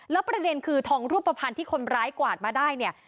แล้วประเด็นคือทองรูปภัณฑ์ที่คนร้ายกวาดมาได้เนี่ย